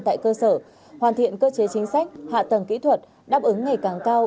tại cơ sở hoàn thiện cơ chế chính sách hạ tầng kỹ thuật đáp ứng ngày càng cao